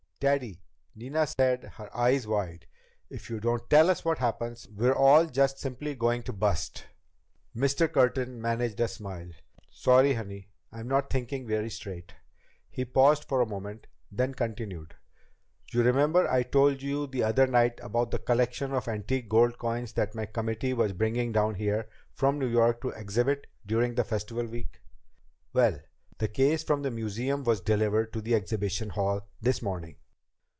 "Daddy," Nina said, her eyes wide, "if you don't tell us what happened, we're all just simply going to bust." Mr. Curtin managed a smile. "Sorry, honey. I'm not thinking very straight." He paused a moment, then continued. "You remember I told you the other night about the collection of antique gold coins that my committee was bringing down here from New York to exhibit during Festival Week? Well, the case from the museum was delivered to the exhibition hall this morning.